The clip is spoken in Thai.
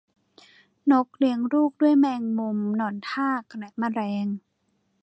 นกเลี้ยงลูกด้วยแมงมุมหนอนทากและแมลง